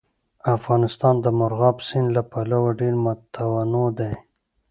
افغانستان د مورغاب سیند له پلوه ډېر متنوع دی.